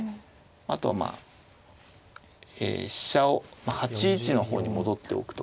あとはまあ飛車を８一の方に戻っておくとかですね。